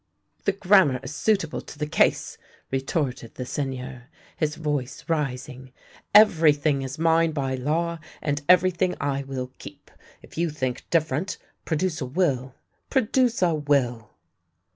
" The grammar is suitable to the case/' retorted the Seigneur, his voice rising. " Everything is mine by law, and everything I will keep. If you think different, produce a will! produce a will!